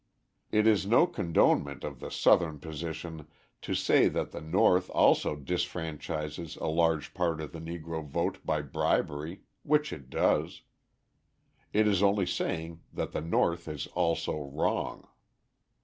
It is no condonement of the Southern position to say that the North also disfranchises a large part of the Negro vote by bribery, which it does; it is only saying that the North is also wrong.